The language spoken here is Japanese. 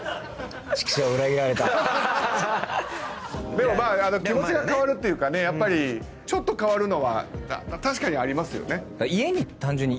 でも気持ちが変わるっていうかやっぱりちょっと変わるのは確かにありますよね。